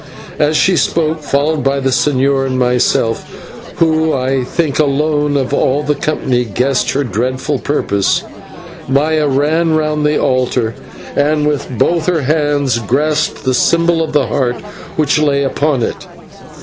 As she spoke, followed by the señor and myself, who I think alone of all the company guessed her dreadful purpose, Maya ran round the altar, and with both her hands grasped the symbol of the Heart which lay upon it.